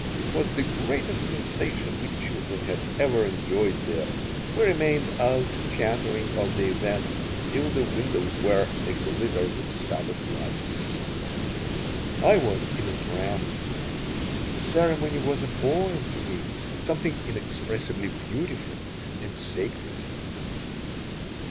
It was the greatest sensation we children had ever enjoyed there. We remained out chattering of the event till the windows were aglitter with Sabbath lights I was in a trance. The ceremony was a poem to me, something inexpressibly beautiful and sacred.